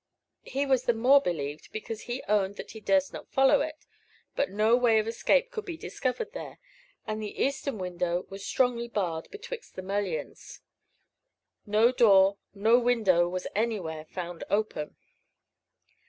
He was the more believed, because he owned that he durst not follow it. But no way of escape could be discovered there, and the eastern window was strongly barred betwixt the mullions. No door, no window was anywhere found open.